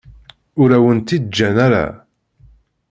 Ur awen-tt-id-ǧǧan ara.